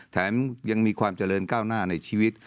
แถมยังมีความเจริญก้าวหน้าในชีวิต